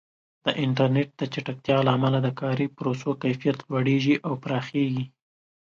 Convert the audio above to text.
د انټرنیټ د چټکتیا له امله د کاري پروسو کیفیت لوړېږي او پراخېږي.